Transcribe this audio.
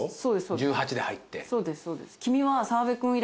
１８で入って？